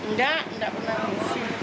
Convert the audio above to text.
nggak nggak pernah ngungsi